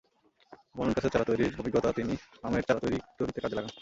বনজ গাছের চারা তৈরির অভিজ্ঞতা তিনি আমের চারা তৈরিতে কাজে লাগান।